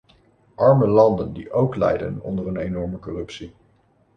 Arme landen die ook lijden onder een enorme corruptie.